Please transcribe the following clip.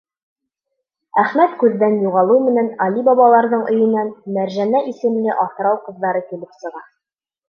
Әхмәт күҙҙән юғалыу менән, Али Бабаларҙың өйөнән Мәржәнә исемле аҫрау ҡыҙҙары килеп сыға.